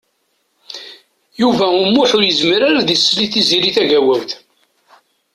Yuba U Muḥ ur yezmir ara ad isell i Tiziri Tagawawt.